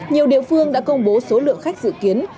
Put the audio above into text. nhiều địa phương đã công bố số lượng khách dự kiến